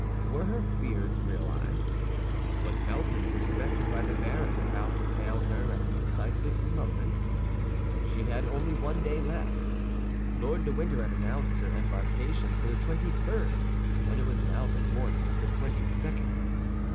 Were her fears realized? Was Felton, suspected by the baron, about to fail her at the decisive moment? She had only one day left. Lord de Winter had announced her embarkation for the twenty third, and it was now the morning of the twenty second.